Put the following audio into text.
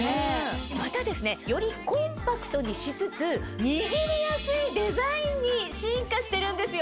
またよりコンパクトにしつつ握りやすいデザインに進化してるんですよ。